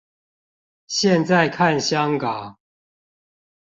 現在看香港